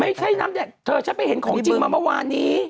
ไม่ใช่น้ำแดงเธอฉันไปเห็นของจริงมาเมื่อวานนี้